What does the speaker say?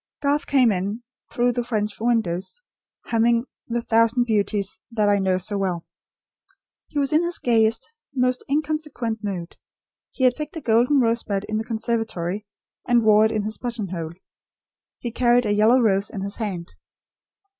Garth came in, through the French window, humming "The thousand beauties that I know so well." He was in his gayest, most inconsequent mood. He had picked a golden rosebud in the conservatory and wore it in his buttonhole. He carried a yellow rose in his hand.